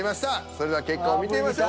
それでは結果を見てみましょう。